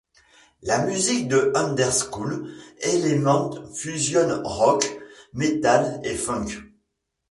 La musique de underschool element fusionne rock, metal et funk.